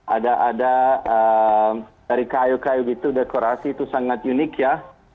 ada ada dari kayu kayu gitu dekorasi itu sangat unik ya